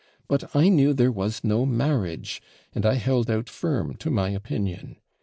But I knew there was no marriage, and I held out firm to my opinion.